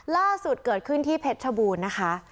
ล่าสุดเกิดขึ้นที่เพชรชบูรณ์นะคะ